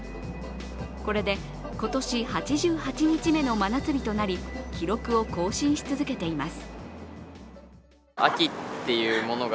これで今年８８日目の真夏日となり、記録を更新し続けています。